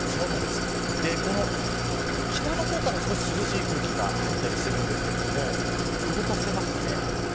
この北の方から少し涼しい空気が入っているんですが動かせますかね。